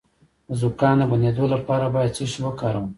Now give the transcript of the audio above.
د زکام د بندیدو لپاره باید څه شی وکاروم؟